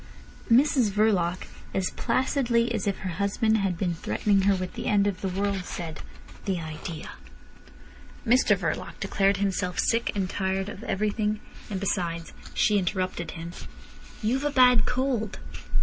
Mrs Verloc, as placidly as if her husband had been threatening her with the end of the world, said: "The idea!" Mr Verloc declared himself sick and tired of everything, and besides—She interrupted him. "You've a bad cold."